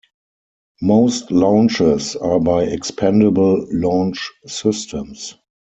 Most launches are by expendable launch systems.